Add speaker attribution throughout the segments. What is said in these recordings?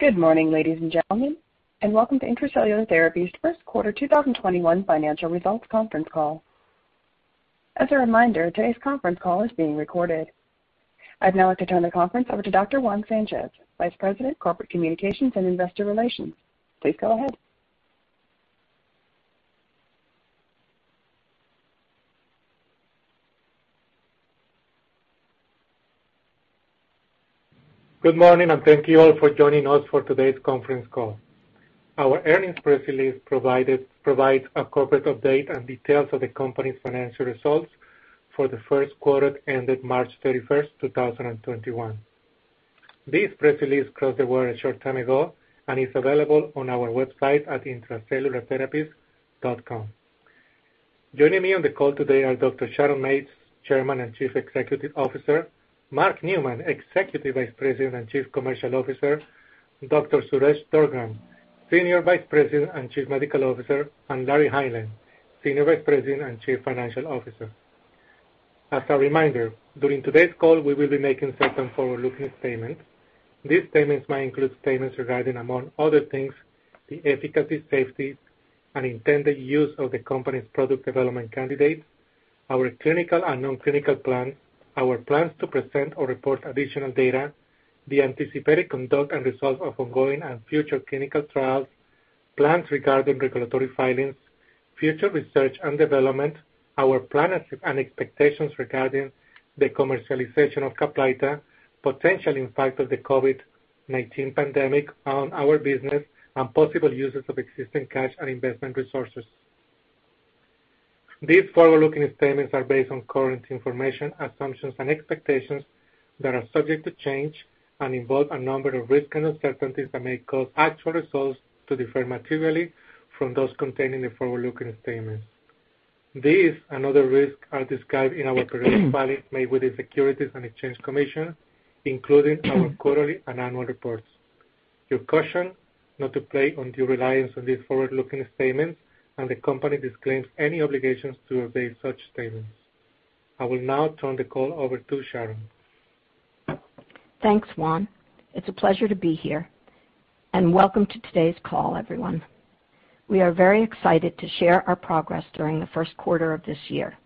Speaker 1: Good morning, ladies and gentlemen, and welcome to Intra-Cellular Therapies' first quarter 2021 financial results conference call. As a reminder, today's conference call is being recorded. I'd now like to turn the conference over to Dr. Juan Sanchez, Vice President of Corporate Communications and Investor Relations. Please go ahead.
Speaker 2: Good morning, and thank you all for joining us for today's conference call. Our earnings press release provides a corporate update and details of the company's financial results for the first quarter ended March 31st, 2021. This press release crossed the wire a short time ago and is available on our website at intracellulartherapies.com. Joining me on the call today are Dr. Sharon Mates, Chairman and Chief Executive Officer, Mark Neumann, Executive Vice President and Chief Commercial Officer, Dr. Suresh Durgam, Senior Vice President and Chief Medical Officer, and Larry Hineline, Senior Vice President and Chief Financial Officer. As a reminder, during today's call, we will be making certain forward-looking statements. These statements may include statements regarding, among other things, the efficacy, safety, and intended use of the company's product development candidates, our clinical and non-clinical plan, our plans to present or report additional data, the anticipated conduct and results of ongoing and future clinical trials, plans regarding regulatory filings, future research and development, our plans and expectations regarding the commercialization of CAPLYTA, potential impact of the COVID-19 pandemic on our business, and possible uses of existing cash and investment resources. These forward-looking statements are based on current information, assumptions and expectations that are subject to change and involve a number of risks and uncertainties that may cause actual results to differ materially from those contained in the forward-looking statements. These and other risks are described in our securities filings made with the Securities and Exchange Commission, including our quarterly and annual reports. You're cautioned not to place undue reliance on these forward-looking statements, and the company disclaims any obligations to update such statements. I will now turn the call over to Sharon.
Speaker 3: Thanks, Juan. It's a pleasure to be here, and welcome to today's call, everyone. We are very excited to share our progress during the first quarter of this year.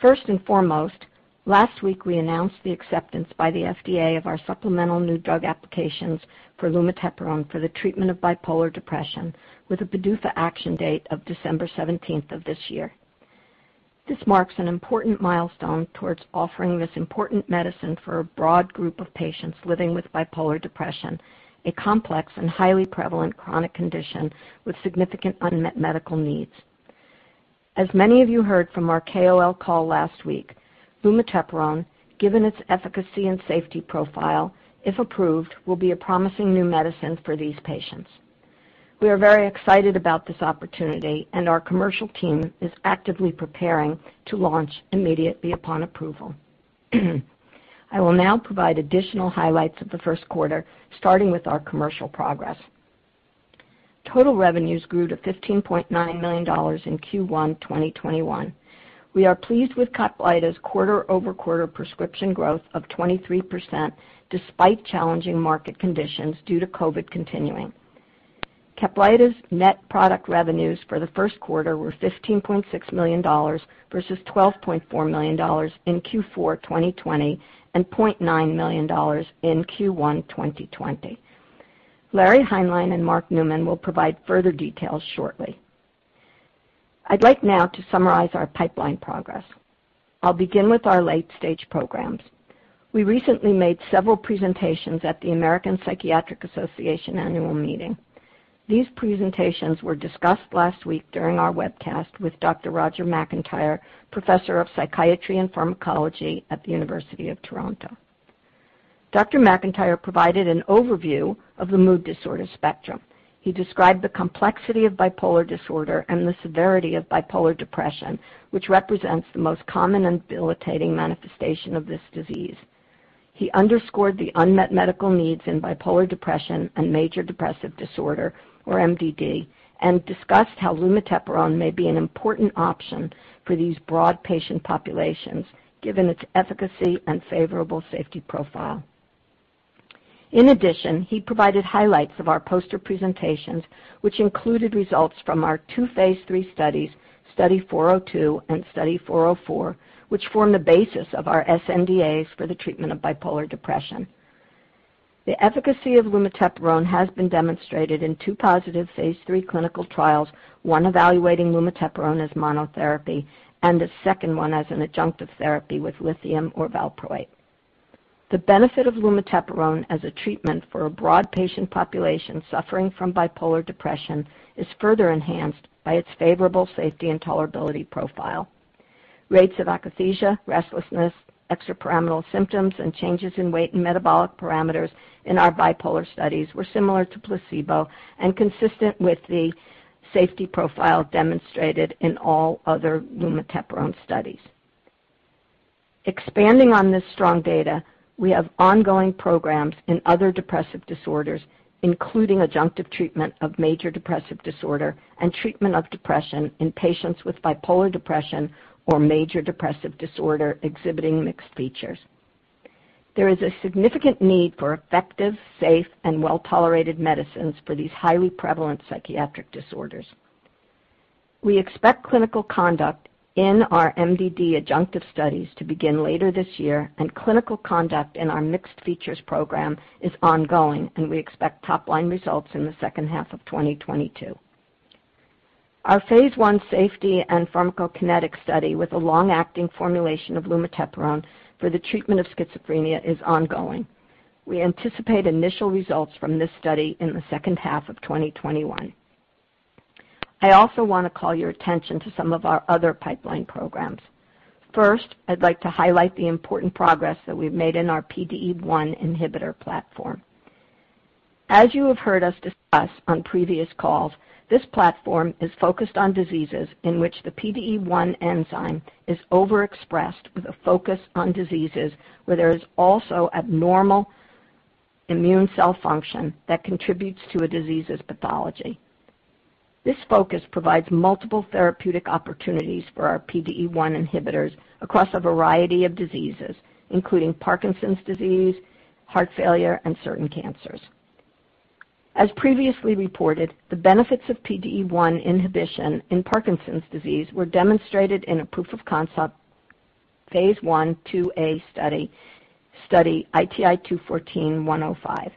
Speaker 3: First and foremost, last week, we announced the acceptance by the FDA of our supplemental new drug applications for lumateperone for the treatment of bipolar depression, with a PDUFA action date of December 17th of this year. This marks an important milestone towards offering this important medicine for a broad group of patients living with bipolar depression, a complex and highly prevalent chronic condition with significant unmet medical needs. As many of you heard from our KOL call last week, lumateperone, given its efficacy and safety profile, if approved, will be a promising new medicine for these patients. We are very excited about this opportunity, and our commercial team is actively preparing to launch immediately upon approval. I will now provide additional highlights of the first quarter, starting with our commercial progress. Total revenues grew to $15.9 million in Q1 2021. We are pleased with CAPLYTA's quarter-over-quarter prescription growth of 23%, despite challenging market conditions due to COVID continuing. CAPLYTA's net product revenues for the first quarter were $15.6 million versus $12.4 million in Q4 2020 and $0.9 million in Q1 2020. Larry Hineline and Mark Neumann will provide further details shortly. I'd like now to summarize our pipeline progress. I'll begin with our late-stage programs. We recently made several presentations at the American Psychiatric Association annual meeting. These presentations were discussed last week during our webcast with Dr. Roger McIntyre, professor of psychiatry and pharmacology at the University of Toronto. Dr. McIntyre provided an overview of the mood disorder spectrum. He described the complexity of bipolar disorder and the severity of bipolar depression, which represents the most common and debilitating manifestation of this disease. He underscored the unmet medical needs in bipolar depression and MDD, and discussed how lumateperone may be an important option for these broad patient populations, given its efficacy and favorable safety profile. In addition, he provided highlights of our poster presentations, which included results from our two phase III studies, Study 402 and Study 404, which form the basis of our sNDAs for the treatment of bipolar depression. The efficacy of lumateperone has been demonstrated in two positive phase III clinical trials, one evaluating lumateperone as monotherapy and the second one as an adjunctive therapy with lithium or valproate. The benefit of lumateperone as a treatment for a broad patient population suffering from bipolar depression is further enhanced by its favorable safety and tolerability profile. Rates of akathisia, restlessness, extrapyramidal symptoms, and changes in weight and metabolic parameters in our bipolar studies were similar to placebo and consistent with the safety profile demonstrated in all other lumateperone studies. Expanding on this strong data, we have ongoing programs in other depressive disorders, including adjunctive treatment of major depressive disorder and treatment of depression in patients with bipolar depression or major depressive disorder exhibiting mixed features. There is a significant need for effective, safe, and well-tolerated medicines for these highly prevalent psychiatric disorders. We expect clinical conduct in our MDD adjunctive studies to begin later this year, and clinical conduct in our mixed features program is ongoing, and we expect top-line results in the second half of 2022. Our phase I safety and pharmacokinetic study with a long-acting formulation of lumateperone for the treatment of schizophrenia is ongoing. We anticipate initial results from this study in the second half of 2021. I also want to call your attention to some of our other pipeline programs. First, I'd like to highlight the important progress that we've made in our PDE1 inhibitor platform. As you have heard us discuss on previous calls, this platform is focused on diseases in which the PDE1 enzyme is overexpressed with a focus on diseases where there is also abnormal immune cell function that contributes to a disease's pathology. This focus provides multiple therapeutic opportunities for our PDE1 inhibitors across a variety of diseases, including Parkinson's disease, heart failure, and certain cancers. As previously reported, the benefits of PDE1 inhibition in Parkinson's disease were demonstrated in a proof-of-concept phase I/IIa study ITI-214-105.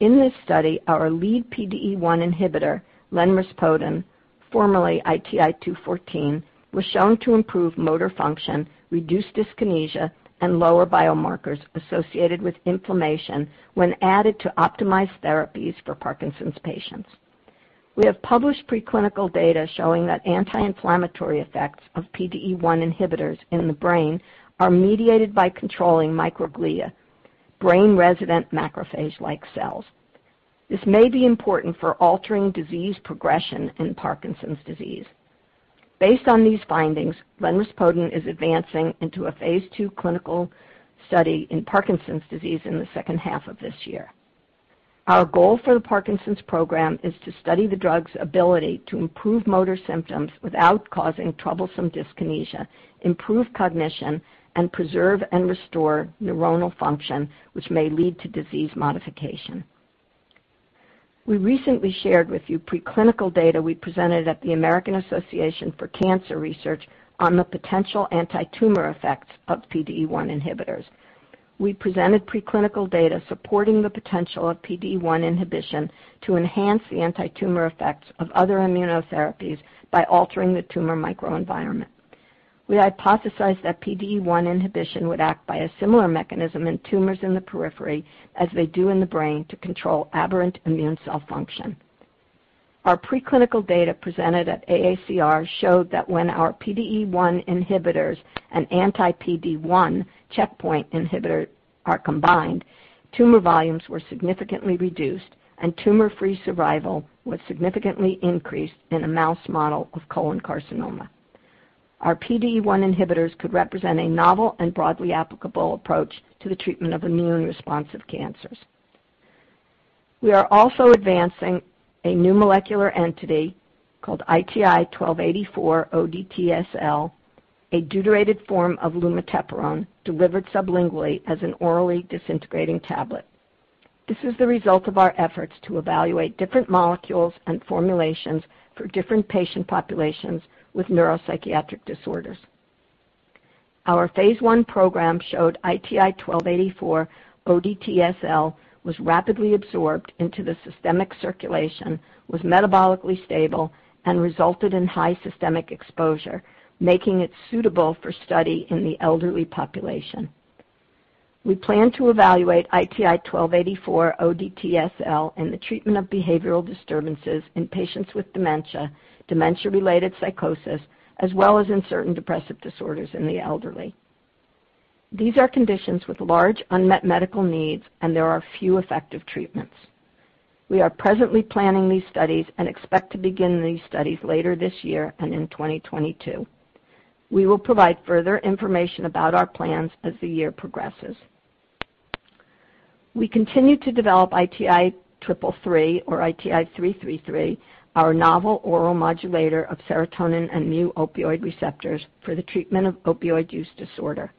Speaker 3: In this study, our lead PDE1 inhibitor, lenrispodun, formerly ITI-214, was shown to improve motor function, reduce dyskinesia, and lower biomarkers associated with inflammation when added to optimized therapies for Parkinson's patients. We have published preclinical data showing that anti-inflammatory effects of PDE1 inhibitors in the brain are mediated by controlling microglia, brain-resident macrophage-like cells. This may be important for altering disease progression in Parkinson's disease. Based on these findings, lenrispodun is advancing into a phase II clinical study in Parkinson's disease in the second half of this year. Our goal for the Parkinson's program is to study the drug's ability to improve motor symptoms without causing troublesome dyskinesia, improve cognition, and preserve and restore neuronal function, which may lead to disease modification. We recently shared with you preclinical data we presented at the American Association for Cancer Research on the potential anti-tumor effects of PDE1 inhibitors. We presented preclinical data supporting the potential of PDE1 inhibition to enhance the anti-tumor effects of other immunotherapies by altering the tumor microenvironment. We hypothesized that PDE1 inhibition would act by a similar mechanism in tumors in the periphery as they do in the brain to control aberrant immune cell function. Our preclinical data presented at AACR showed that when our PDE1 inhibitors and anti-PD-1 checkpoint inhibitor are combined, tumor volumes were significantly reduced and tumor-free survival was significantly increased in a mouse model of colon carcinoma. Our PDE1 inhibitors could represent a novel and broadly applicable approach to the treatment of immune-responsive cancers. We are also advancing a new molecular entity called ITI-1284-ODT-SL, a deuterated form of lumateperone delivered sublingually as an orally disintegrating tablet. This is the result of our efforts to evaluate different molecules and formulations for different patient populations with neuropsychiatric disorders. Our phase I program showed ITI-1284-ODT-SL was rapidly absorbed into the systemic circulation, was metabolically stable, and resulted in high systemic exposure, making it suitable for study in the elderly population. We plan to evaluate ITI-1284-ODT-SL in the treatment of behavioral disturbances in patients with dementia-related psychosis, as well as in certain depressive disorders in the elderly. These are conditions with large unmet medical needs, and there are few effective treatments. We are presently planning these studies and expect to begin these studies later this year and in 2022. We will provide further information about our plans as the year progresses. We continue to develop ITI-333, our novel oral modulator of serotonin and mu-opioid receptors for the treatment of opioid use disorder.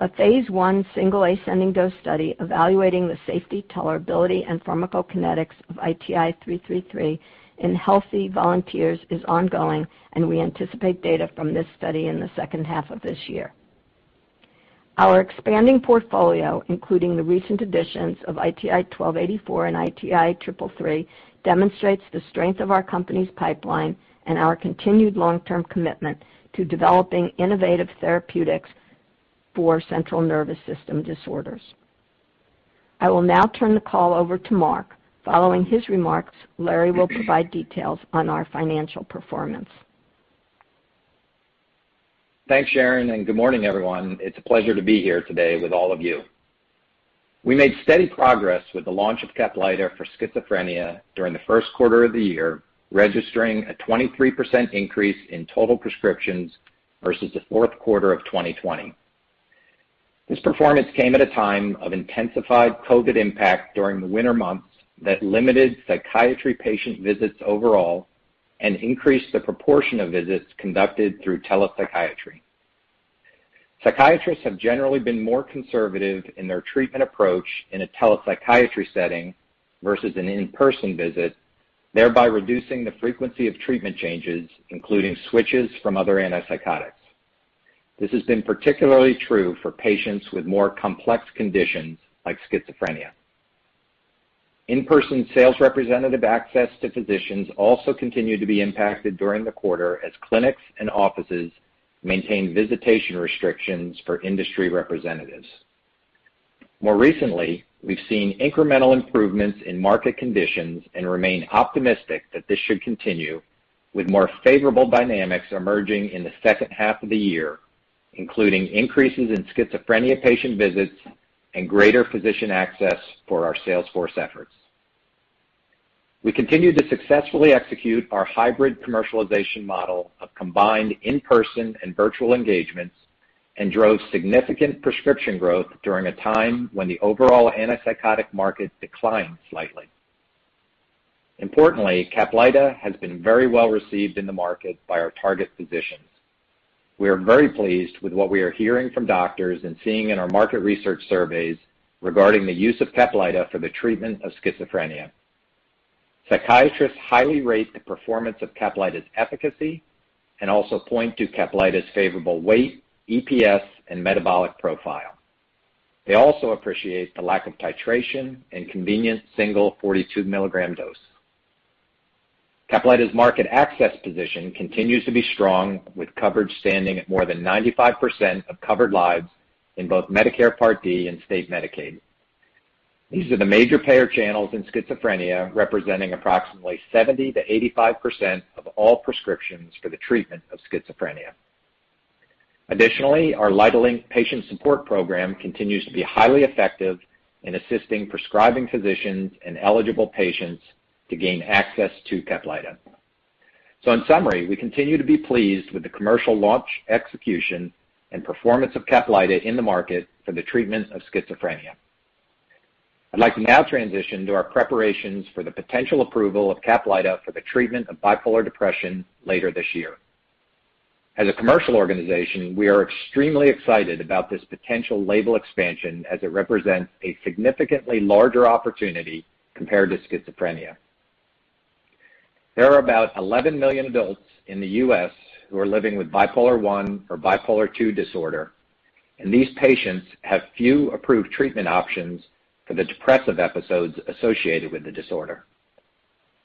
Speaker 3: A phase I single ascending dose study evaluating the safety, tolerability, and pharmacokinetics of ITI-333 in healthy volunteers is ongoing, and we anticipate data from this study in the second half of this year. Our expanding portfolio, including the recent additions of ITI-1284 and ITI-333, demonstrates the strength of our company's pipeline and our continued long-term commitment to developing innovative therapeutics for central nervous system disorders. I will now turn the call over to Mark. Following his remarks, Larry will provide details on our financial performance.
Speaker 4: Thanks, Sharon. Good morning, everyone. It's a pleasure to be here today with all of you. We made steady progress with the launch of CAPLYTA for schizophrenia during the first quarter of the year, registering a 23% increase in total prescriptions versus the fourth quarter of 2020. This performance came at a time of intensified COVID impact during the winter months that limited psychiatry patient visits overall and increase the proportion of visits conducted through telepsychiatry. Psychiatrists have generally been more conservative in their treatment approach in a telepsychiatry setting versus an in-person visit, thereby reducing the frequency of treatment changes, including switches from other antipsychotics. This has been particularly true for patients with more complex conditions like schizophrenia. In-person sales representative access to physicians also continued to be impacted during the quarter as clinics and offices maintained visitation restrictions for industry representatives. More recently, we've seen incremental improvements in market conditions and remain optimistic that this should continue, with more favorable dynamics emerging in the second half of the year, including increases in schizophrenia patient visits and greater physician access for our sales force efforts. We continued to successfully execute our hybrid commercialization model of combined in-person and virtual engagements and drove significant prescription growth during a time when the overall antipsychotic market declined slightly. Importantly, CAPLYTA has been very well received in the market by our target physicians. We are very pleased with what we are hearing from doctors and seeing in our market research surveys regarding the use of CAPLYTA for the treatment of schizophrenia. Psychiatrists highly rate the performance of CAPLYTA's efficacy and also point to CAPLYTA's favorable weight, EPS, and metabolic profile. They also appreciate the lack of titration and convenient single 42 mg dose. CAPLYTA's market access position continues to be strong, with coverage standing at more than 95% of covered lives in both Medicare Part D and State Medicaid. These are the major payer channels in schizophrenia, representing approximately 70%-85% of all prescriptions for the treatment of schizophrenia. Additionally, our LYTAlink patient support program continues to be highly effective in assisting prescribing physicians and eligible patients to gain access to CAPLYTA. In summary, we continue to be pleased with the commercial launch execution and performance of CAPLYTA in the market for the treatment of schizophrenia. I'd like to now transition to our preparations for the potential approval of CAPLYTA for the treatment of bipolar depression later this year. As a commercial organization, we are extremely excited about this potential label expansion as it represents a significantly larger opportunity compared to schizophrenia. There are about 11 million adults in the U.S. who are living with bipolar I or bipolar II disorder, and these patients have few approved treatment options for the depressive episodes associated with the disorder.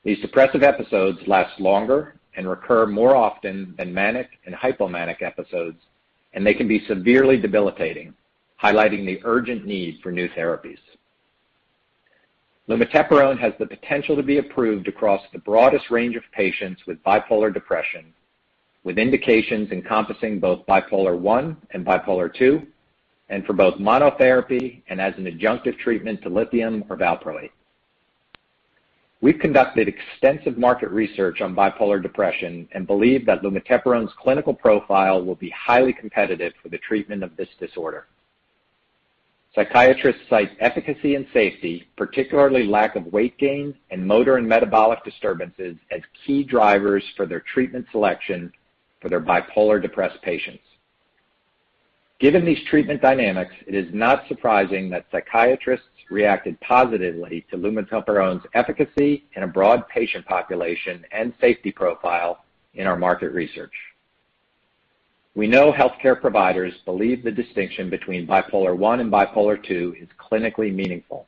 Speaker 4: These depressive episodes last longer and recur more often than manic and hypomanic episodes, and they can be severely debilitating, highlighting the urgent need for new therapies. lumateperone has the potential to be approved across the broadest range of patients with bipolar depression, with indications encompassing both bipolar I and bipolar II, and for both monotherapy and as an adjunctive treatment to lithium or valproate. We've conducted extensive market research on bipolar depression and believe that lumateperone's clinical profile will be highly competitive for the treatment of this disorder. Psychiatrists cite efficacy and safety, particularly lack of weight gain and motor and metabolic disturbances, as key drivers for their treatment selection for their bipolar depressed patients. Given these treatment dynamics, it is not surprising that psychiatrists reacted positively to lumateperone's efficacy in a broad patient population and safety profile in our market research. We know healthcare providers believe the distinction between bipolar I and bipolar II is clinically meaningful.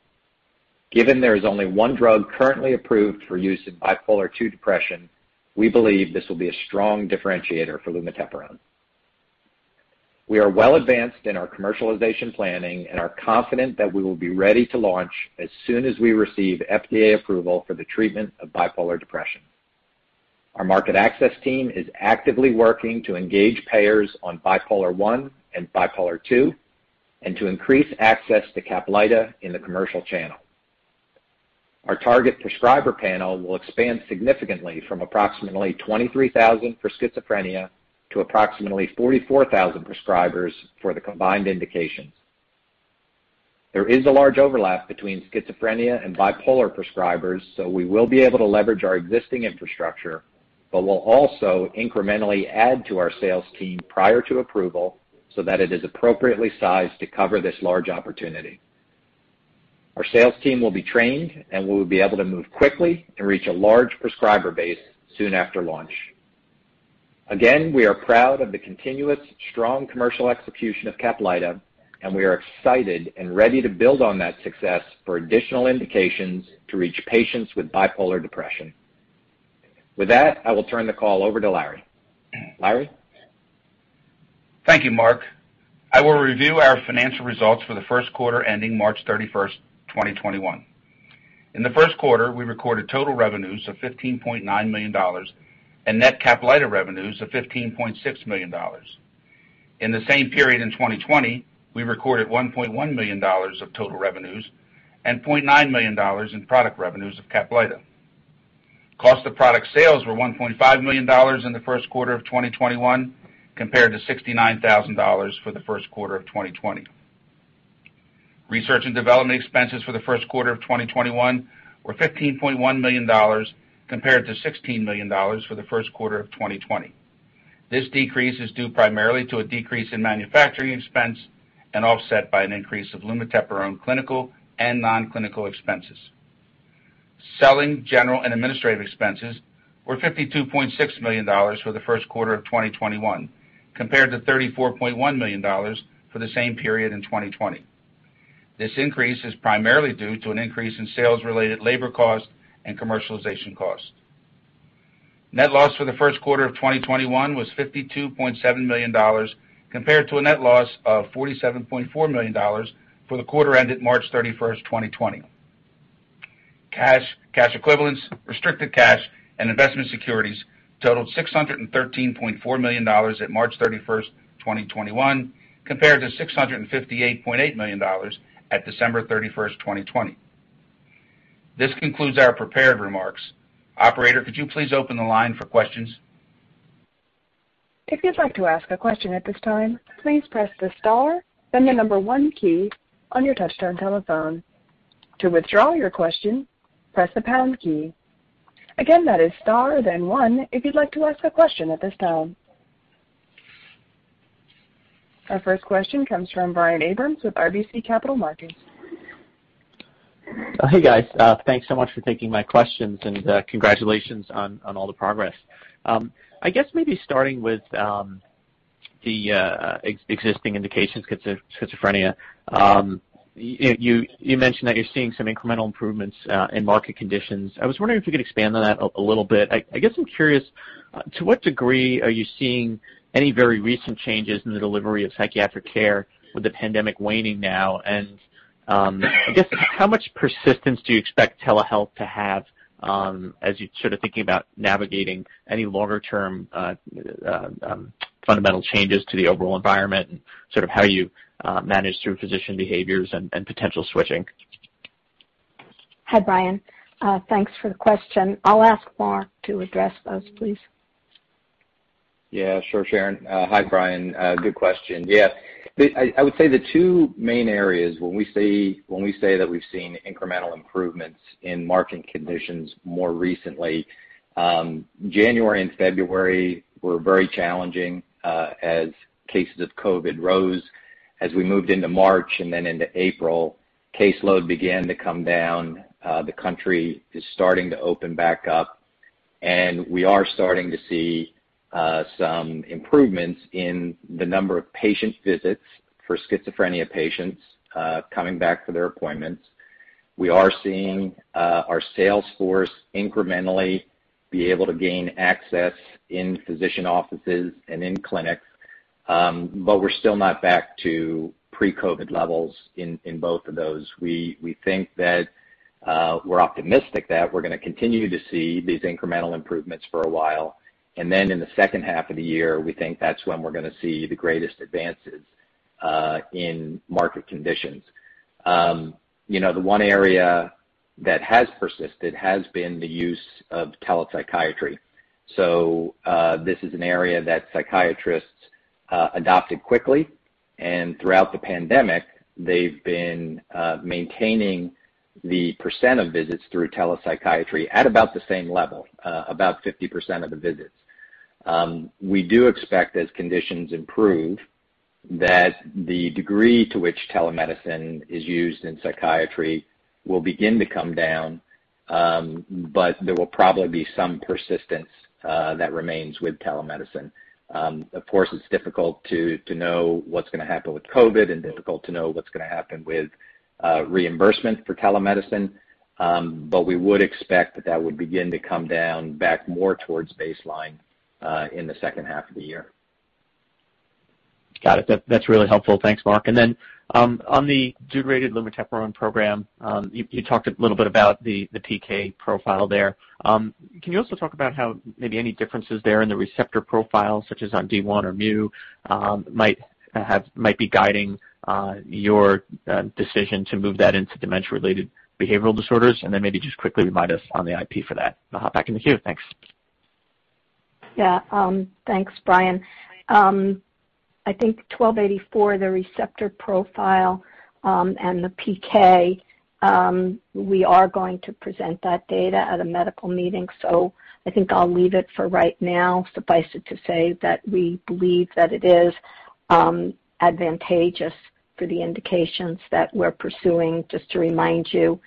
Speaker 4: Given there is only one drug currently approved for use in bipolar II depression, we believe this will be a strong differentiator for lumateperone. We are well advanced in our commercialization planning and are confident that we will be ready to launch as soon as we receive FDA approval for the treatment of bipolar depression. Our market access team is actively working to engage payers on bipolar I and bipolar II and to increase access to CAPLYTA in the commercial channel. Our target prescriber panel will expand significantly from approximately 23,000 for schizophrenia to approximately 44,000 prescribers for the combined indications. There is a large overlap between schizophrenia and bipolar prescribers. We will be able to leverage our existing infrastructure. We'll also incrementally add to our sales team prior to approval so that it is appropriately sized to cover this large opportunity. Our sales team will be trained. We will be able to move quickly and reach a large prescriber base soon after launch. Again, we are proud of the continuous strong commercial execution of CAPLYTA. We are excited and ready to build on that success for additional indications to reach patients with bipolar depression. With that, I will turn the call over to Larry. Larry?
Speaker 5: Thank you, Mark. I will review our financial results for the first quarter ending March 31st, 2021. In the first quarter, we recorded total revenues of $15.9 million and net CAPLYTA revenues of $15.6 million. In the same period in 2020, we recorded $1.1 million of total revenues and $0.9 million in product revenues of CAPLYTA. Cost of product sales were $1.5 million in the first quarter of 2021, compared to $69,000 for the first quarter of 2020. Research and development expenses for the first quarter of 2021 were $15.1 million, compared to $16 million for the first quarter of 2020. This decrease is due primarily to a decrease in manufacturing expense and offset by an increase of lumateperone clinical and non-clinical expenses. Selling, general, and administrative expenses were $52.6 million for the first quarter of 2021, compared to $34.1 million for the same period in 2020. This increase is primarily due to an increase in sales-related labor cost and commercialization cost. Net loss for the first quarter of 2021 was $52.7 million, compared to a net loss of $47.4 million for the quarter ended March 31st, 2020. Cash, cash equivalents, restricted cash, and investment securities totaled $613.4 million at March 31st, 2021, compared to $658.8 million at December 31st, 2020. This concludes our prepared remarks. Operator, could you please open the line for questions?
Speaker 1: If you'd like to ask a question at this time, please press star then, the number one key on your touchtone telephone. To withdraw your question, press the pound key. Again, that is star, then one, if you'd like to ask a question at this time. Our first question comes from Brian Abrahams with RBC Capital Markets.
Speaker 6: Hey, guys. Thanks so much for taking my questions, and congratulations on all the progress. I guess maybe starting with the existing indications of schizophrenia. You mentioned that you're seeing some incremental improvements in market conditions. I was wondering if you could expand on that a little bit. I guess I'm curious, to what degree are you seeing any very recent changes in the delivery of psychiatric care with the pandemic waning now? I guess just how much persistence do you expect telehealth to have as you start thinking about navigating any longer-term fundamental changes to the overall environment and how you manage through physician behaviors and potential switching?
Speaker 3: Hi, Brian. Thanks for the question. I'll ask Mark to address those, please.
Speaker 4: Yeah, sure, Sharon. Hi, Brian. Good question. Yeah. I would say the two main areas when we say that we've seen incremental improvements in market conditions more recently, January and February were very challenging as cases of COVID rose. As we moved into March and then into April, caseload began to come down. The country is starting to open back up, and we are starting to see some improvements in the number of patient visits for schizophrenia patients coming back for their appointments. We are seeing our sales force incrementally be able to gain access in physician offices and in clinics, but we're still not back to pre-COVID levels in both of those. We're optimistic that we're going to continue to see these incremental improvements for a while. In the second half of the year, we think that's when we're going to see the greatest advances in market conditions. The one area that has persisted has been the use of telepsychiatry. This is an area that psychiatrists adopted quickly, and throughout the pandemic, they've been maintaining the percent of visits through telepsychiatry at about the same level, about 50% of the visits. We do expect as conditions improve, that the degree to which telemedicine is used in psychiatry will begin to come down, but there will probably be some persistence that remains with telemedicine. Of course, it's difficult to know what's going to happen with COVID and difficult to know what's going to happen with reimbursement for telemedicine. We would expect that that would begin to come down back more towards baseline in the second half of the year.
Speaker 6: Got it. That's really helpful. Thanks, Mark. On the deuterated lumateperone program, you talked a little bit about the PK profile there. Can you also talk about how maybe any differences there in the receptor profile, such as on D1 or mu, might be guiding your decision to move that into dementia-related behavioral disorders? Then maybe just quickly remind us on the IP for that. I'll hop back in the queue. Thanks.
Speaker 3: Thanks, Brian Abrahams. I think ITI-1284, the receptor profile, and the PK, we are going to present that data at a medical meeting. I think I'll leave it for right now. Suffice it to say that we believe that it is advantageous for the indications that we're pursuing. Just to remind you,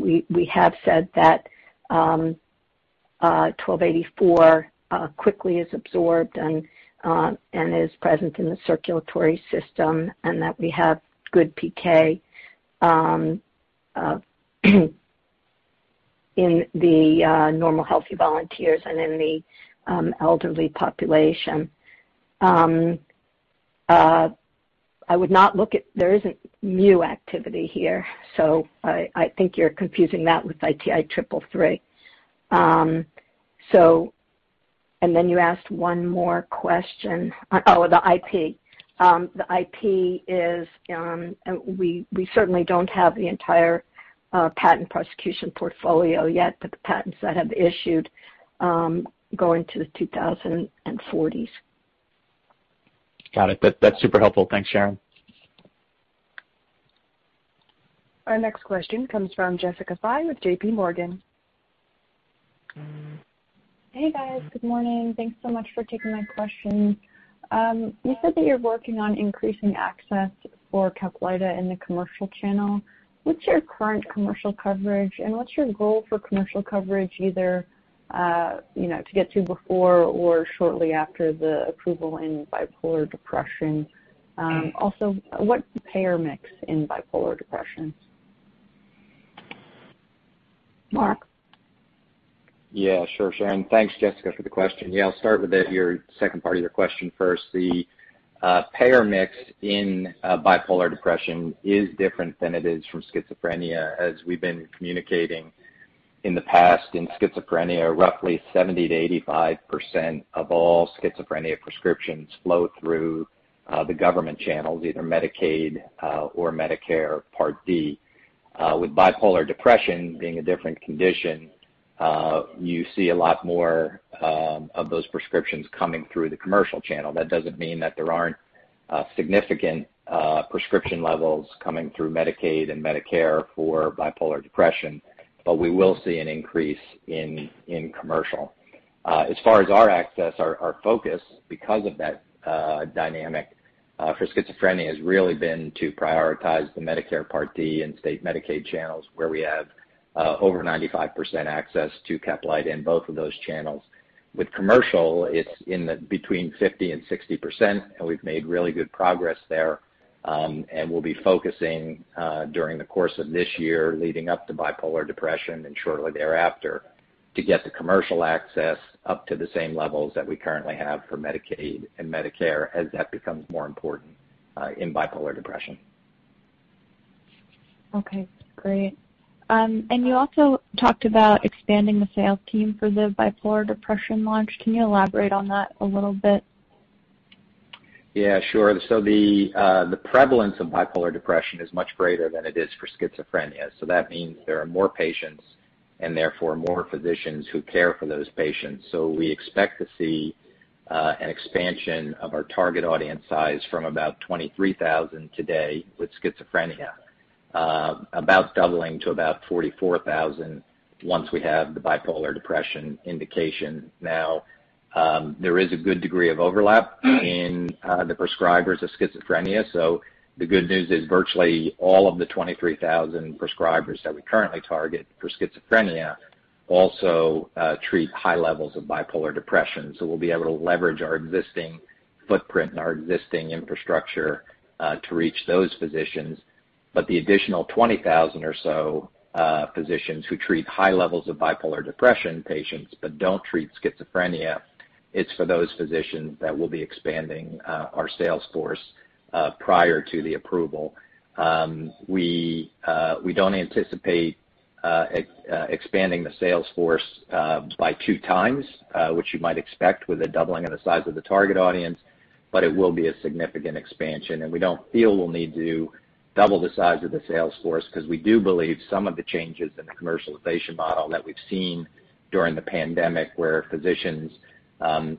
Speaker 3: we have said that ITI-1284 quickly is absorbed and is present in the circulatory system and that we have good PK in the normal healthy volunteers and in the elderly population. There is a new activity here. I think you're confusing that with ITI-333. You asked one more question. Oh, the IP. We certainly don't have the entire patent prosecution portfolio yet. The patents that have issued go into the 2040s.
Speaker 6: Got it. That's super helpful. Thanks, Sharon.
Speaker 1: Our next question comes from Jessica Fye with JPMorgan.
Speaker 7: Hey, guys. Good morning. Thanks so much for taking my question. You said that you're working on increasing access for CAPLYTA in the commercial channel. What's your current commercial coverage, and what's your goal for commercial coverage, either to get to before or shortly after the approval in bipolar depression? Also, what's the payer mix in bipolar depression?
Speaker 3: Mark?
Speaker 4: Sure, Sharon. Thanks, Jessica, for the question. I'll start with your second part of your question first. The payer mix in bipolar depression is different than it is from schizophrenia, as we've been communicating in the past. In schizophrenia, roughly 70%-85% of all schizophrenia prescriptions flow through the government channels, either Medicaid or Medicare Part D. Bipolar depression being a different condition, you see a lot more of those prescriptions coming through the commercial channel. That doesn't mean that there aren't significant prescription levels coming through Medicaid and Medicare for bipolar depression, we will see an increase in commercial. As far as our access, our focus, because of that dynamic for schizophrenia, has really been to prioritize the Medicare Part D and State Medicaid channels, where we have over 95% access to CAPLYTA in both of those channels. With commercial, it's in between 50% and 60%. We've made really good progress there. We'll be focusing during the course of this year leading up to bipolar depression and shortly thereafter to get the commercial access up to the same levels that we currently have for Medicaid and Medicare as that becomes more important in bipolar depression.
Speaker 7: Okay, great. You also talked about expanding the sales team for the bipolar depression launch. Can you elaborate on that a little bit?
Speaker 4: Yeah, sure. The prevalence of bipolar depression is much greater than it is for schizophrenia. That means there are more patients and therefore more physicians who care for those patients. We expect to see an expansion of our target audience size from about 23,000 today with schizophrenia, about doubling to about 44,000 once we have the bipolar depression indication. Now, there is a good degree of overlap in the prescribers of schizophrenia. The good news is virtually all of the 23,000 prescribers that we currently target for schizophrenia also treat high levels of bipolar depression. We'll be able to leverage our existing footprint and our existing infrastructure to reach those physicians. The additional 20,000 or so physicians who treat high levels of bipolar depression patients but don't treat schizophrenia, it's for those physicians that we'll be expanding our sales force prior to the approval. We don't anticipate expanding the sales force by two times, which you might expect with a doubling of the size of the target audience, but it will be a significant expansion. We don't feel we'll need to double the size of the sales force because we do believe some of the changes in the commercialization model that we've seen during the pandemic, where physicians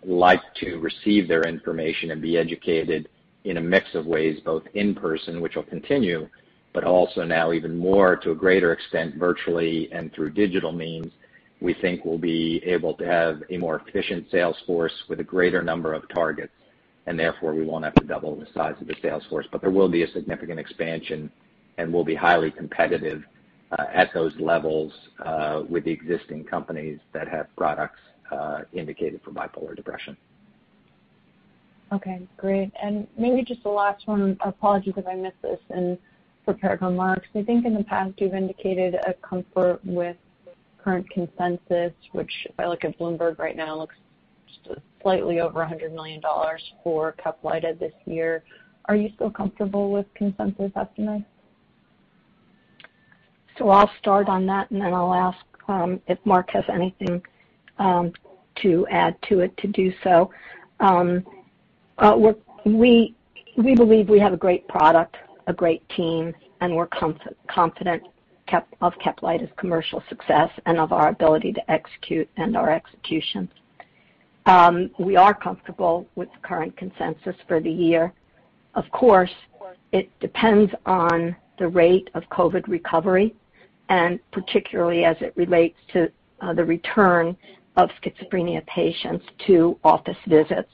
Speaker 4: like to receive their information and be educated in a mix of ways, both in person, which will continue, but also now even more to a greater extent virtually and through digital means. We think we'll be able to have a more efficient sales force with a greater number of targets, and therefore we won't have to double the size of the sales force. There will be a significant expansion, and we'll be highly competitive at those levels with the existing companies that have products indicated for bipolar depression.
Speaker 7: Okay, great. Maybe just the last one. Apologies if I missed this in prepared remarks. I think in the past you've indicated a comfort with current consensus, which if I look at Bloomberg right now, looks just slightly over $100 million for CAPLYTA this year. Are you still comfortable with consensus estimates?
Speaker 3: I'll start on that, and then I'll ask if Mark has anything to add to it to do so. We believe we have a great product, a great team, and we're confident of CAPLYTA's commercial success and of our ability to execute and our execution. We are comfortable with the current consensus for the year. Of course, it depends on the rate of COVID recovery, and particularly as it relates to the return of schizophrenia patients to office visits.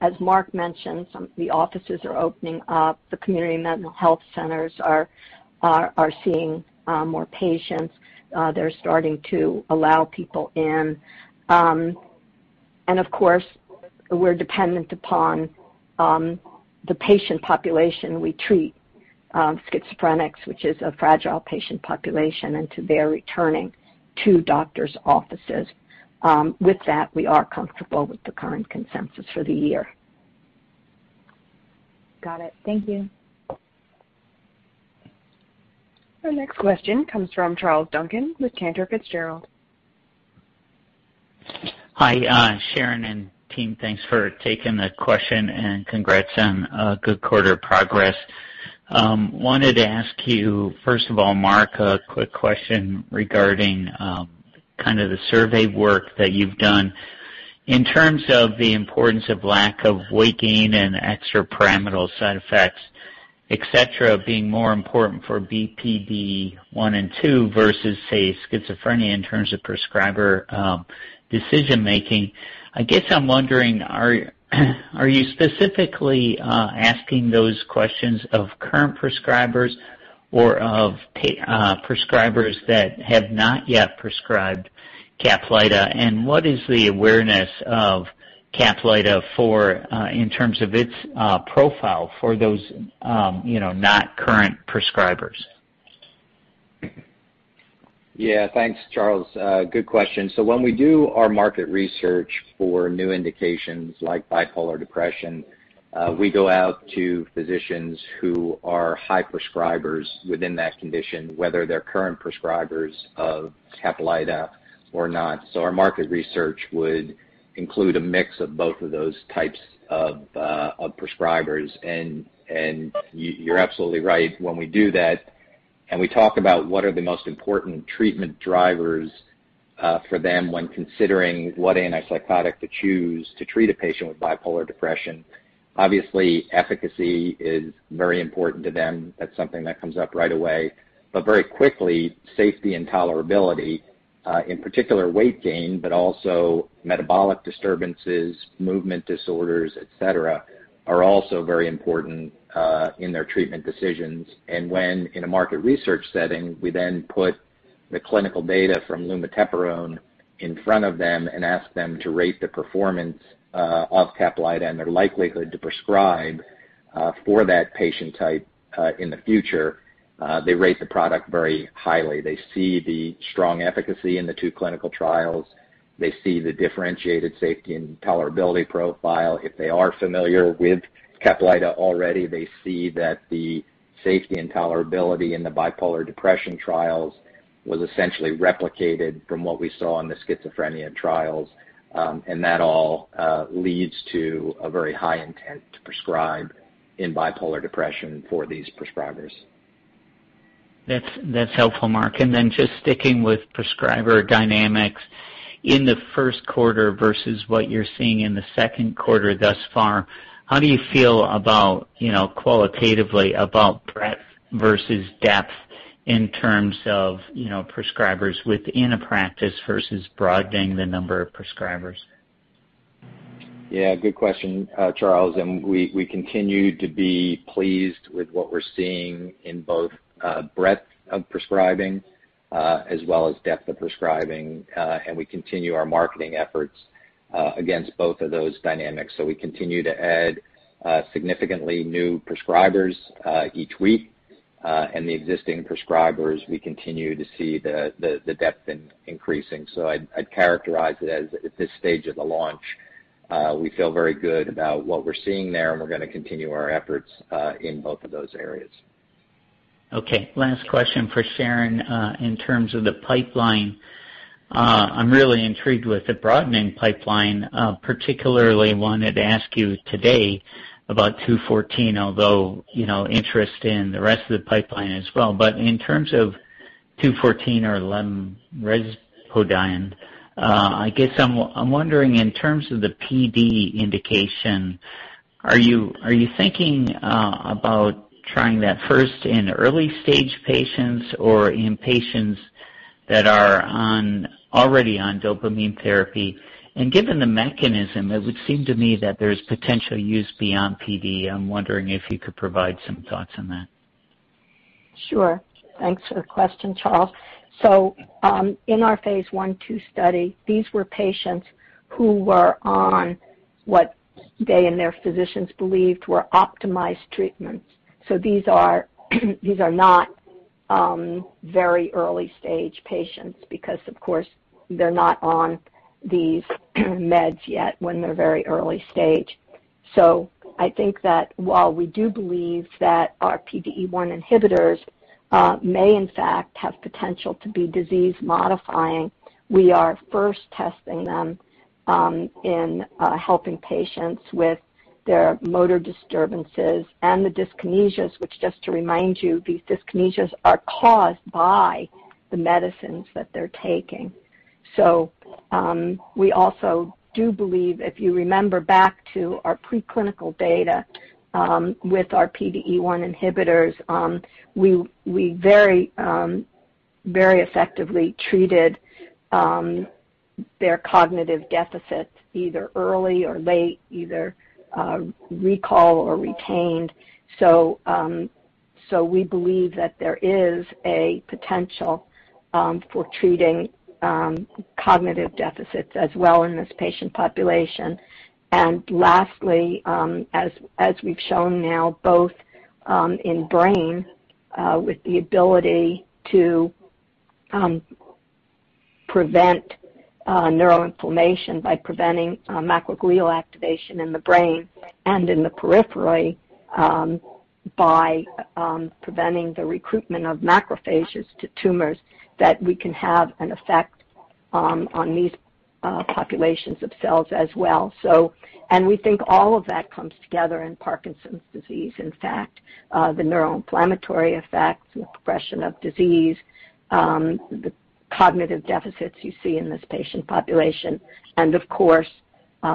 Speaker 3: As Mark mentioned, some of the offices are opening up. The community mental health centers are seeing more patients. They're starting to allow people in. Of course, we're dependent upon the patient population we treat, schizophrenics, which is a fragile patient population, and to their returning to doctors' offices. With that, we are comfortable with the current consensus for the year.
Speaker 7: Got it. Thank you.
Speaker 1: Our next question comes from Charles Duncan with Cantor Fitzgerald.
Speaker 8: Hi, Sharon and team. Thanks for taking the question and congrats on a good quarter of progress. I wanted to ask you, first of all, Mark, a quick question regarding the survey work that you've done, in terms of the importance of lack of weight gain and extrapyramidal side effects, et cetera, being more important for BPD 1 and 2 versus, say, schizophrenia in terms of prescriber decision making. I guess I'm wondering, are you specifically asking those questions of current prescribers or of prescribers that have not yet prescribed CAPLYTA? What is the awareness of CAPLYTA in terms of its profile for those not current prescribers?
Speaker 4: Yeah. Thanks, Charles. Good question. When we do our market research for new indications like bipolar depression, we go out to physicians who are high prescribers within that condition, whether they're current prescribers of CAPLYTA or not. Our market research would include a mix of both of those types of prescribers. You're absolutely right, when we do that, and we talk about what are the most important treatment drivers for them when considering what antipsychotic to choose to treat a patient with bipolar depression. Obviously, efficacy is very important to them. That's something that comes up right away. Very quickly, safety and tolerability, in particular weight gain, but also metabolic disturbances, movement disorders, et cetera, are also very important in their treatment decisions. When, in a market research setting, we then put the clinical data from lumateperone in front of them and ask them to rate the performance of CAPLYTA and their likelihood to prescribe for that patient type in the future, they rate the product very highly. They see the strong efficacy in the two clinical trials. They see the differentiated safety and tolerability profile. If they are familiar with CAPLYTA already, they see that the safety and tolerability in the bipolar depression trials was essentially replicated from what we saw in the schizophrenia trials. That all leads to a very high intent to prescribe in bipolar depression for these prescribers.
Speaker 8: That's helpful, Mark. Just sticking with prescriber dynamics. In the first quarter versus what you're seeing in the second quarter thus far, how do you feel qualitatively about breadth versus depth in terms of prescribers within a practice versus broadening the number of prescribers?
Speaker 4: Yeah, good question, Charles. We continue to be pleased with what we're seeing in both breadth of prescribing as well as depth of prescribing, and we continue our marketing efforts against both of those dynamics. We continue to add significantly new prescribers each week. The existing prescribers, we continue to see the depth increasing. I'd characterize it as at this stage of the launch, we feel very good about what we're seeing there, and we're going to continue our efforts in both of those areas.
Speaker 8: Okay. Last question for Sharon. In terms of the pipeline, I'm really intrigued with the broadening pipeline. Particularly wanted to ask you today about 214, although interest in the rest of the pipeline as well. In terms of 214 or lenrispodun, I guess I'm wondering in terms of the PD indication, are you thinking about trying that first in early-stage patients or in patients that are already on dopamine therapy? Given the mechanism, it would seem to me that there's potential use beyond PD. I'm wondering if you could provide some thoughts on that.
Speaker 3: Sure. Thanks for the question, Charles. In our phase I-II study, these were patients who were on what they and their physicians believed were optimized treatments. These are not very early-stage patients because, of course, they're not on these meds yet when they're very early stage. I think that while we do believe that our PDE1 inhibitors may in fact have potential to be disease modifying, we are first testing them in helping patients with their motor disturbances and the dyskinesias. Which, just to remind you, these dyskinesias are caused by the medicines that they're taking. We also do believe, if you remember back to our preclinical data with our PDE1 inhibitors, we very effectively treated their cognitive deficits either early or late, either recall or retained. We believe that there is a potential for treating cognitive deficits as well in this patient population. Lastly, as we've shown now, both in brain, with the ability to prevent neural inflammation by preventing microglial activation in the brain and in the periphery by preventing the recruitment of macrophages to tumors, that we can have an effect on these populations of cells as well. We think all of that comes together in Parkinson's disease. In fact, the neuroinflammatory effects, the progression of disease, the cognitive deficits you see in this patient population, and of course,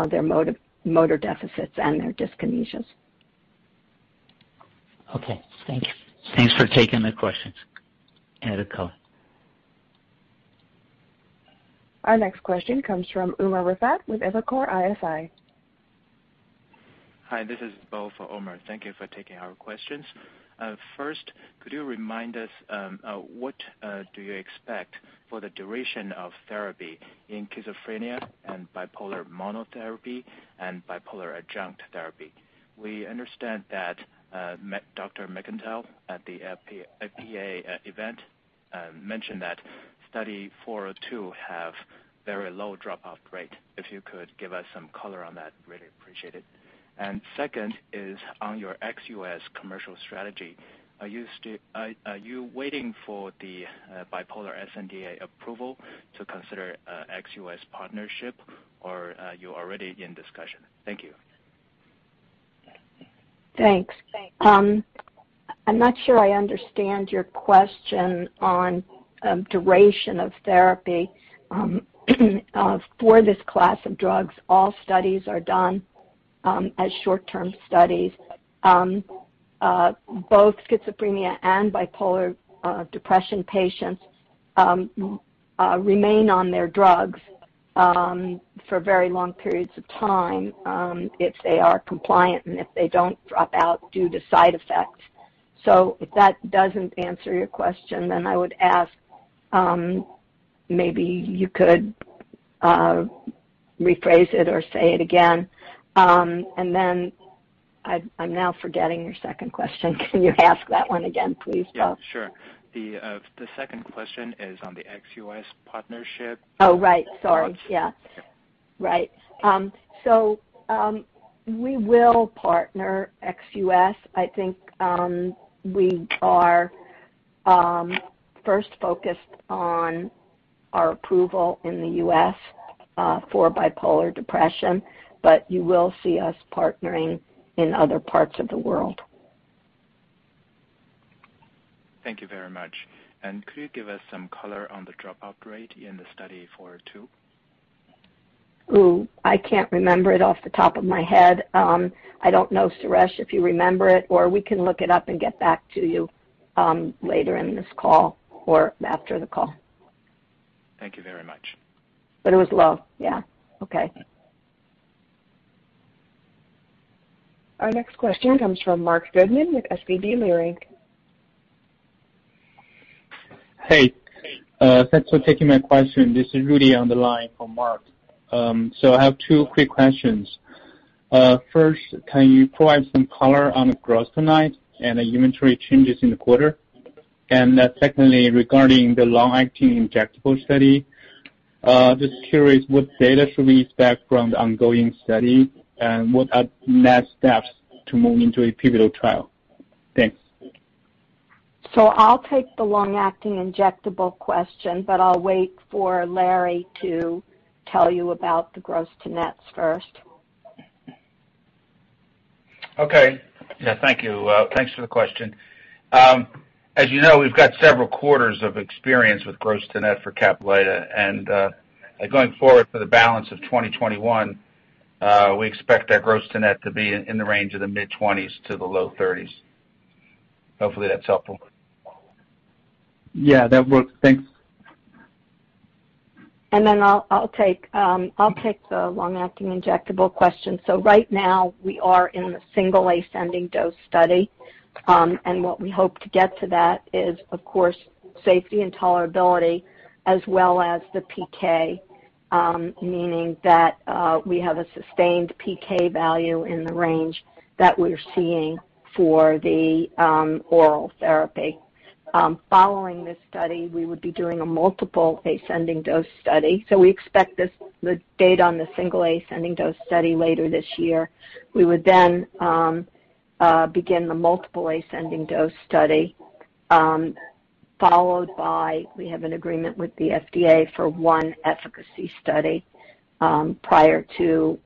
Speaker 3: their motor deficits and their dyskinesias.
Speaker 8: Okay, thank you. Thanks for taking the questions.
Speaker 1: Our next question comes from Umer Raffat with Evercore ISI.
Speaker 9: Hi, this is Bo for Umer. Thank you for taking our questions. First, could you remind us what do you expect for the duration of therapy in schizophrenia and bipolar monotherapy and bipolar adjunct therapy? We understand that Dr. McIntyre at the APA event mentioned that Study 402 have very low dropout rate. If you could give us some color on that, really appreciate it. Second is on your ex-U.S. commercial strategy. Are you waiting for the bipolar sNDA approval to consider ex-U.S. partnership or you're already in discussion? Thank you.
Speaker 3: Thanks. I'm not sure I understand your question on duration of therapy. For this class of drugs, all studies are done as short-term studies. Both schizophrenia and bipolar depression patients remain on their drugs for very long periods of time if they are compliant and if they don't drop out due to side effects. If that doesn't answer your question, I would ask maybe you could rephrase it or say it again. I'm now forgetting your second question. Can you ask that one again, please, Bo?
Speaker 9: Yeah, sure. The second question is on the ex-U.S. partnership.
Speaker 3: Right. Sorry. Right. We will partner ex-U.S. I think we are first focused on our approval in the U.S. for bipolar depression. You will see us partnering in other parts of the world.
Speaker 9: Thank you very much. Could you give us some color on the dropout rate in Study 402?
Speaker 3: I can't remember it off the top of my head. I don't know, Suresh, if you remember it, or we can look it up and get back to you later in this call or after the call.
Speaker 9: Thank you very much.
Speaker 3: It was low. Yeah. Okay.
Speaker 1: Our next question comes from Marc Goodman with SVB Leerink.
Speaker 10: Hey. Thanks for taking my question. This is Rudy on the line for Mark. I have two quick questions. First, can you provide some color on the gross to net and the inventory changes in the quarter? Secondly, regarding the long-acting injectable study, just curious what data should we expect from the ongoing study, and what are next steps to move into a pivotal trial? Thanks.
Speaker 3: I'll take the long-acting injectable question, but I'll wait for Larry to tell you about the gross to nets first.
Speaker 5: Okay. Yeah, thank you. Thanks for the question. As you know, we've got several quarters of experience with gross to net for CAPLYTA. Going forward for the balance of 2021, we expect that gross to net to be in the range of the mid-twenties to the low thirties. Hopefully, that's helpful.
Speaker 10: Yeah, that works. Thanks.
Speaker 3: I'll take the long-acting injectable question. Right now, we are in the single ascending dose study. What we hope to get to that is, of course, safety and tolerability as well as the PK, meaning that we have a sustained PK value in the range that we're seeing for the oral therapy. Following this study, we would be doing a multiple ascending dose study. We expect the data on the single ascending dose study later this year. We would then begin the multiple ascending dose study, followed by, we have an agreement with the FDA for one efficacy study prior to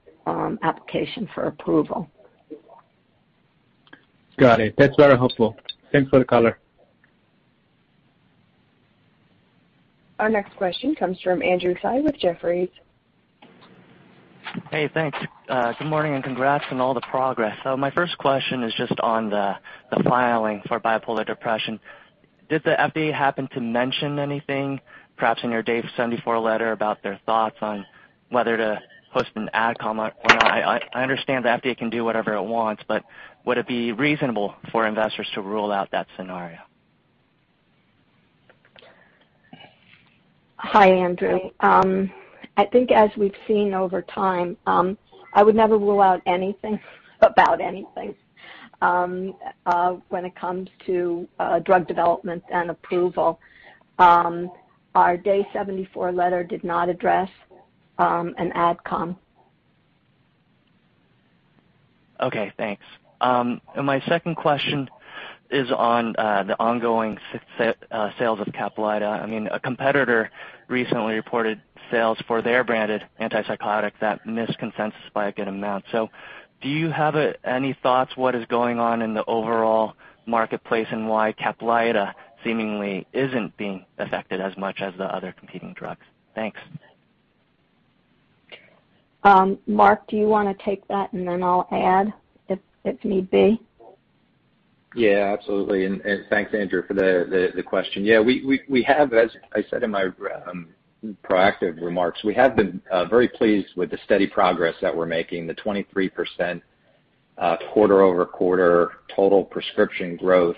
Speaker 3: application for approval.
Speaker 10: Got it. That's very helpful. Thanks for the color.
Speaker 1: Our next question comes from Andrew Tsai with Jefferies.
Speaker 11: Hey, thanks. Good morning, and congrats on all the progress. My first question is just on the filing for bipolar depression. Did the FDA happen to mention anything, perhaps in your Day 74 letter about their thoughts on whether to post an Advisory Committee or not? I understand the FDA can do whatever it wants, would it be reasonable for investors to rule out that scenario?
Speaker 3: Hi, Andrew. I think as we've seen over time, I would never rule out anything about anything when it comes to drug development and approval. Our Day 74 letter did not address an Advisory Committee.
Speaker 11: Okay, thanks. My second question is on the ongoing sales of CAPLYTA. A competitor recently reported sales for their branded antipsychotic that missed consensus by a good amount. Do you have any thoughts what is going on in the overall marketplace, and why CAPLYTA seemingly isn't being affected as much as the other competing drugs? Thanks.
Speaker 3: Mark, do you want to take that, and then I'll add if need be?
Speaker 4: Absolutely. Thanks, Andrew, for the question. We have, as I said in my proactive remarks, we have been very pleased with the steady progress that we're making. The 23% quarter-over-quarter total prescription growth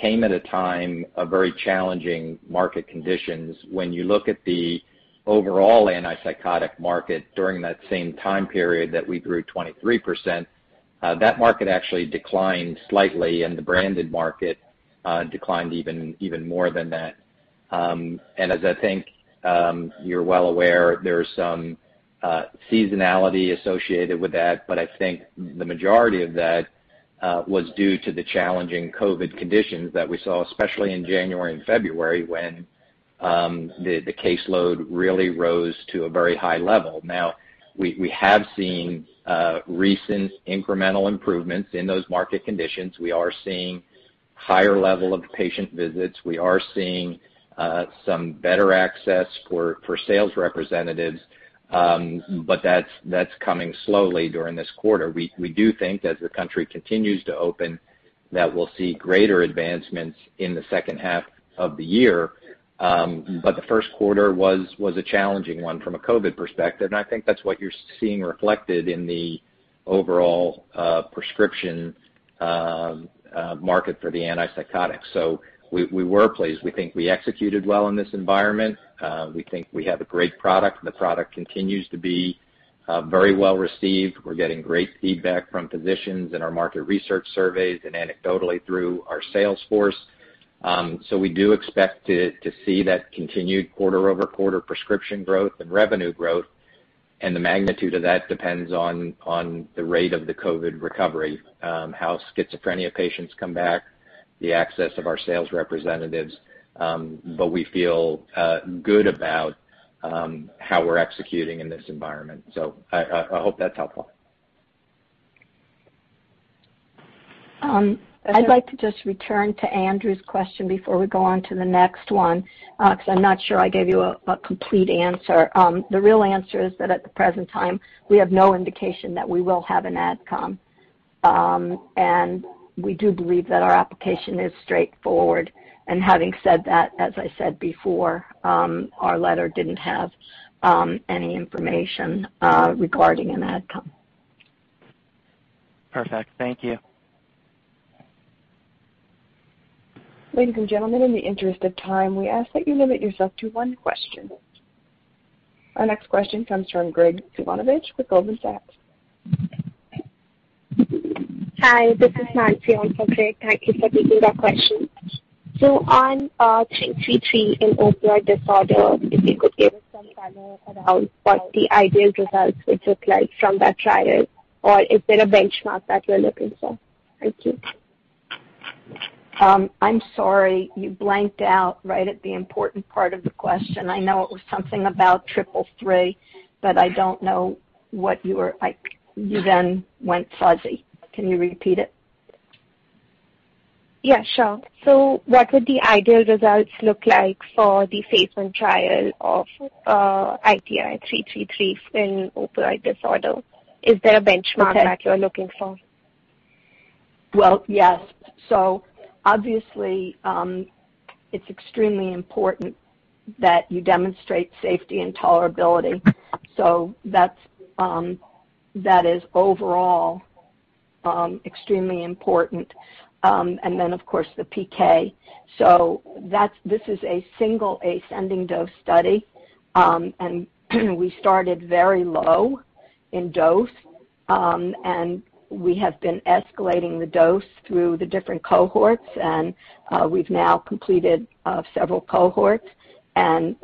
Speaker 4: came at a time of very challenging market conditions. When you look at the overall antipsychotic market during that same time period that we grew 23%, that market actually declined slightly. The branded market declined even more than that. As I think you're well aware, there's some seasonality associated with that. I think the majority of that was due to the challenging COVID-19 conditions that we saw, especially in January and February, when the caseload really rose to a very high level. We have seen recent incremental improvements in those market conditions. We are seeing higher level of patient visits. We are seeing some better access for sales representatives, but that's coming slowly during this quarter. We do think that the country continues to open, that we'll see greater advancements in the second half of the year. The first quarter was a challenging one from a COVID perspective, and I think that's what you're seeing reflected in the overall prescription market for the antipsychotics. We were pleased. We think we executed well in this environment. We think we have a great product. The product continues to be very well received. We're getting great feedback from physicians in our market research surveys and anecdotally through our sales force. We do expect to see that continued quarter-over-quarter prescription growth and revenue growth, and the magnitude of that depends on the rate of the COVID recovery, how schizophrenia patients come back, the access of our sales representatives. We feel good about how we're executing in this environment. I hope that's helpful.
Speaker 3: I'd like to just return to Andrew's question before we go on to the next one, because I'm not sure I gave you a complete answer. The real answer is that at the present time, we have no indication that we will have an Advisory Committee. We do believe that our application is straightforward. Having said that, as I said before, our letter didn't have any information regarding an Advisory Committee.
Speaker 11: Perfect. Thank you.
Speaker 1: Ladies and gentlemen, in the interest of time, we ask that you limit yourself to one question. Our next question comes from Graig Suvannavejh with Goldman Sachs.
Speaker 12: Hi, this is Nancy on for Graig. Thank you for taking the question. On ITI-333 in opioid use disorder, if you could give us some color around what the ideal results would look like from that trial, or is there a benchmark that you're looking for? Thank you.
Speaker 3: I'm sorry. You blanked out right at the important part of the question. I know it was something about ITI-333, but I don't know what you were like. You went fuzzy. Can you repeat it?
Speaker 12: Yeah, sure. What would the ideal results look like for the phase I trial of ITI-333 in opioid use disorder? Is there a benchmark that you're looking for?
Speaker 3: Well, yes. Obviously, it's extremely important that you demonstrate safety and tolerability. That is overall extremely important. Of course, the PK. This is a single ascending-dose study, we started very low in dose, we have been escalating the dose through the different cohorts, we've now completed several cohorts and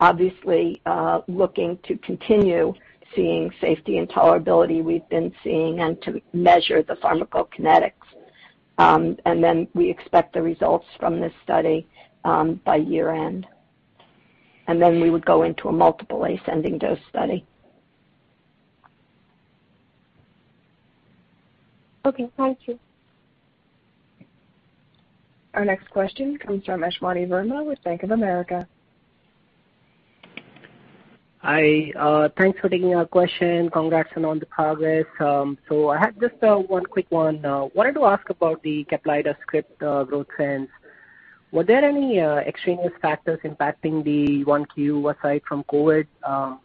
Speaker 3: obviously looking to continue seeing safety and tolerability we've been seeing and to measure the pharmacokinetics. We expect the results from this study by year-end. We would go into a multiple ascending-dose study.
Speaker 12: Okay. Thank you.
Speaker 1: Our next question comes from Ashwani Verma with Bank of America.
Speaker 13: Hi, thanks for taking our question. Congrats on all the progress. I had just one quick one. I wanted to ask about the CAPLYTA script growth trends. Were there any extraneous factors impacting the 1Q aside from COVID-19?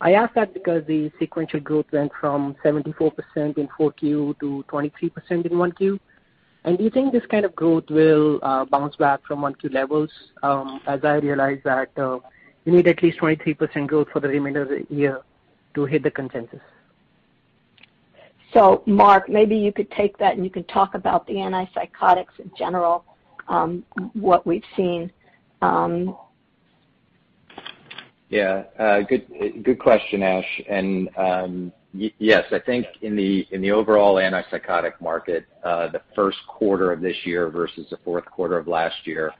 Speaker 13: I ask that because the sequential growth went from 74% in 4Q to 23% in 1Q. Do you think this kind of growth will bounce back from 1Q levels? As I realize that you need at least 23% growth for the remainder of the year to hit the consensus.
Speaker 3: Mark, maybe you could take that, and you can talk about the antipsychotics in general, what we've seen.
Speaker 4: Good question, Ash. Yes, I think in the overall antipsychotic market, the first quarter of this year versus the fourth quarter of last year,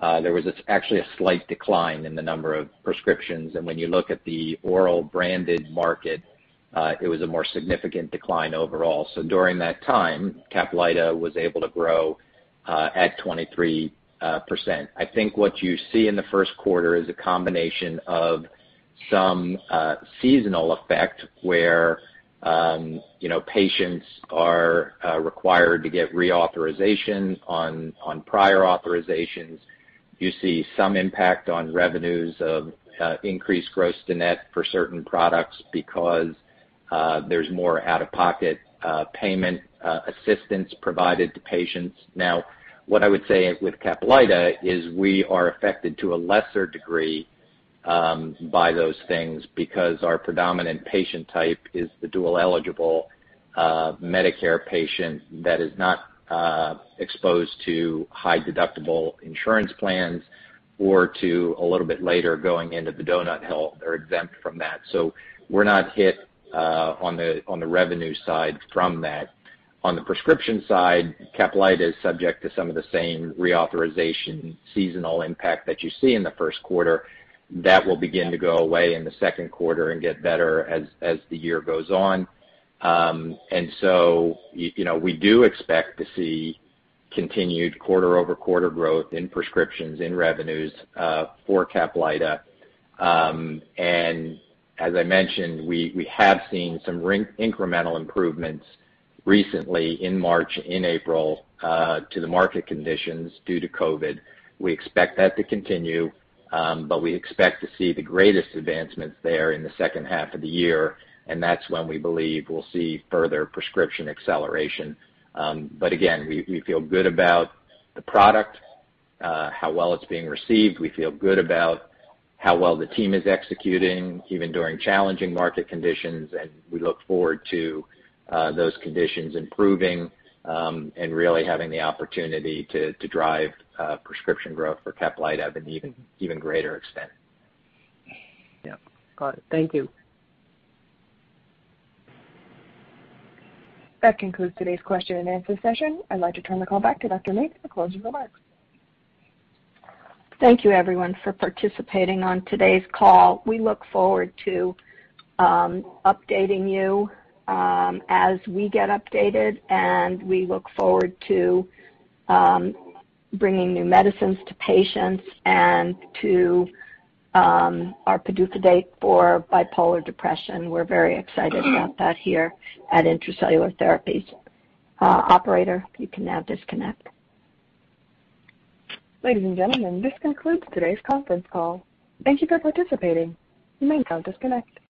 Speaker 4: there was actually a slight decline in the number of prescriptions. When you look at the oral branded market, it was a more significant decline overall. During that time, CAPLYTA was able to grow at 23%. I think what you see in the first quarter is a combination of some seasonal effect where patients are required to get reauthorization on prior authorizations. You see some impact on revenues of increased gross to net for certain products because there's more out-of-pocket payment assistance provided to patients. What I would say with CAPLYTA is we are affected to a lesser degree by those things because our predominant patient type is the dual-eligible Medicare patient that is not exposed to high deductible insurance plans or to a little bit later going into the donut hole or exempt from that. We're not hit on the revenue side from that. On the prescription side, CAPLYTA is subject to some of the same reauthorization seasonal impact that you see in the first quarter. That will begin to go away in the second quarter and get better as the year goes on. We do expect to see continued quarter-over-quarter growth in prescriptions, in revenues for CAPLYTA. As I mentioned, we have seen some incremental improvements recently in March, in April, to the market conditions due to COVID-19. We expect that to continue, but we expect to see the greatest advancements there in the second half of the year. That's when we believe we'll see further prescription acceleration. Again, we feel good about the product, how well it's being received. We feel good about how well the team is executing, even during challenging market conditions. We look forward to those conditions improving, and really having the opportunity to drive prescription growth for CAPLYTA at an even greater extent.
Speaker 13: Yeah. Got it. Thank you.
Speaker 1: That concludes today's question and answer session. I'd like to turn the call back to Dr. Mates for closing remarks.
Speaker 3: Thank you everyone for participating on today's call. We look forward to updating you as we get updated, and we look forward to bringing new medicines to patients and to our PDUFA for bipolar depression. We're very excited about that here at Intra-Cellular Therapies. Operator, you can now disconnect.
Speaker 1: Ladies and gentlemen, this concludes today's conference call. Thank you for participating. You may now disconnect.